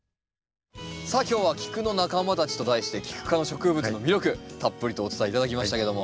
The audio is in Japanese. さあ今日は「キクの仲間たち」と題してキク科の植物の魅力たっぷりとお伝え頂きましたけども。